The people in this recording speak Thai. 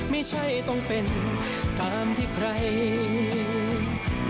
ไม่ใช่ต้องเป็นตามที่ใครลืม